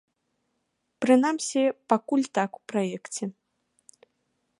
Прынамсі, пакуль так у праекце.